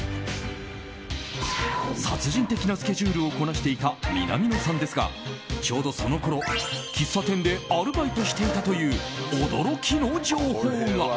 殺人的なスケジュールをこなしていた南野さんですがちょうどそのころ、喫茶店でアルバイトしていたという驚きの情報が。